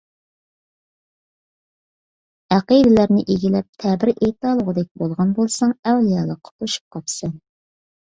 ئەقىدىلەرنى ئىگىلەپ، تەبىر ئېيتالىغۇدەك بولغان بولساڭ، ئەۋلىيالىققا توشۇپ قاپسەن.